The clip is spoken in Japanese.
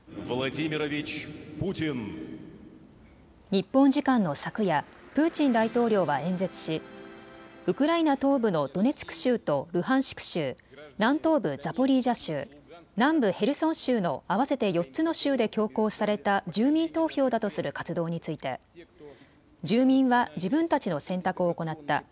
日本時間の昨夜、プーチン大統領は演説しウクライナ東部のドネツク州とルハンシク州、南東部ザポリージャ州、南部ヘルソン州の合わせて４つの州で強行された住民投票だとする活動について住民は自分たちの選択を行った。